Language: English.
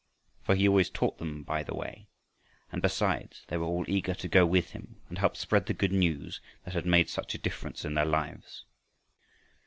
For he always taught them by the way, and besides they were all eager to go with him and help spread the good news that had made such a difference in their lives.